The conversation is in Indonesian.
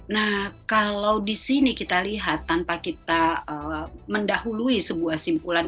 nah kalau di sini kita lihat tanpa kita mendahului sebuah simpulan